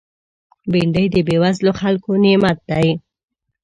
بېنډۍ د بېوزلو خلکو نعمت دی